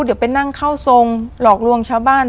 เดี๋ยวไปนั่งเข้าทรงหลอกลวงชาวบ้าน